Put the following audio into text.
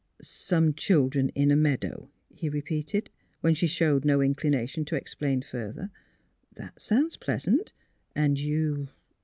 " Some children in a meadow," he repeated, when she showed no inclination to explain further. *' That sounds pleasant. And you